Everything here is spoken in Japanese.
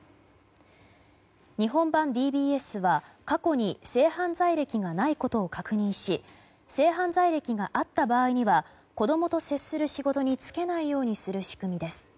日本版ＤＢＳは、過去に性犯罪歴がないことを確認し性犯罪歴があった場合には子供と接する仕事に就けないようにする仕組みです。